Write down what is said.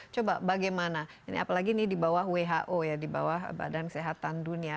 coba bagaimana ini apalagi ini di bawah who ya di bawah badan kesehatan dunia